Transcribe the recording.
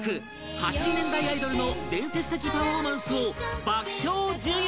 ８０年代アイドルの伝説的パフォーマンスを爆笑授業